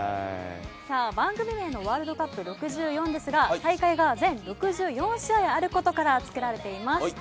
さあ番組名の『ワールドカップ６４』ですが大会が全６４試合ある事から付けられています。